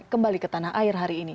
kembali ke tanah air hari ini